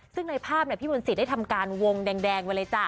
ซึ่งในภาพพี่มนตรีได้ทำการวงแดงไว้เลยจ้ะ